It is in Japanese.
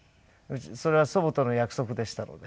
それは祖母との約束でしたので。